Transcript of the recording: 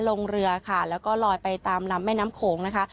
ลงเรือค่ะแล้วก็ลอยไปตามลำแม่น้ำโขงนะคะ